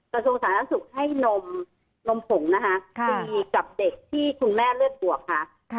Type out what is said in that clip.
ประสงสารนักศึกษ์ให้นมนมผงนะคะกินกับเด็กที่คุณแม่เลือดบวกค่ะ